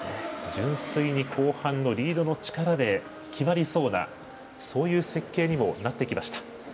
純粋に後半のリードの力で決まりそうなそういう設計にもなってきました。